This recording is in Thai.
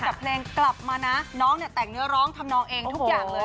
กับเพลงกลับมานะน้องเนี่ยแต่งเนื้อร้องทำนองเองทุกอย่างเลย